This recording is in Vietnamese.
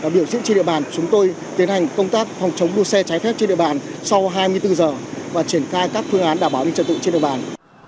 biểu diễn trên địa bàn chúng tôi tiến hành công tác phòng chống đua xe trái phép trên địa bàn sau hai mươi bốn giờ và triển khai các phương án đảm bảo an ninh trật tự trên địa bàn